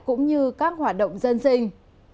cũng như các hoạt động dân sinh